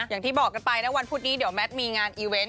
อย่าถามเต้ยเลย